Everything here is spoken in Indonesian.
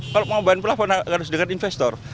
kalau mau bayar plafon harus dengan investor